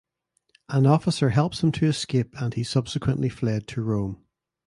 An officer helps him to escape and he subsequently fled to Rome.